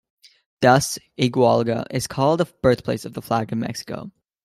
Thus, Iguala is called the birthplace of the Flag of Mexico.